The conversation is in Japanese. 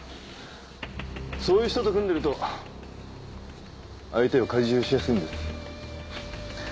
そういう人と組んでると相手を懐柔しやすいんです。